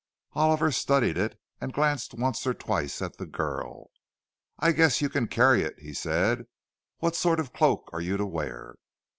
Oliver studied it, and glanced once or twice at the girl. "I guess you can carry it," he said. "What sort of a cloak are you to wear?"